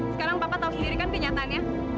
sekarang bapak tahu sendiri kan kenyataannya